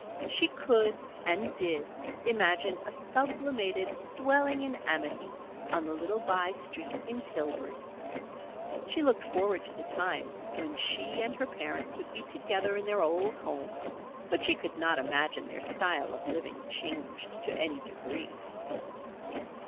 She could, and did, imagine a sublimated "dwelling in amity" on the little by street in Tillbury. She looked forward to the time when she and her parents would be together in their old home; but she could not imagine their style of living changed to any degree.